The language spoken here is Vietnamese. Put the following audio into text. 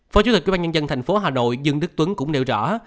phó chủ tịch quyên bán nhân dân thành phố hà nội dương đức tuấn cũng nêu rõ